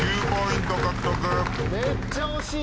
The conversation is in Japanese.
めっちゃ惜しい。